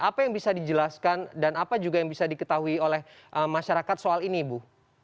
apa yang bisa dijelaskan dan apa juga yang bisa diketahui oleh masyarakat soal ini ibu